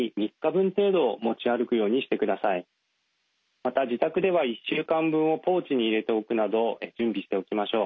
また自宅では１週間分をポーチに入れておくなど準備しておきましょう。